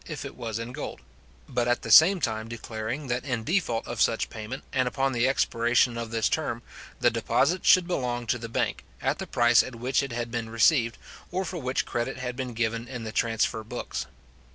if it was in gold; but at the same time declaring, that in default of such payment, and upon the expiration of this term, the deposit should belong to the bank, at the price at which it had been received, or for which credit had been given in the transfer books.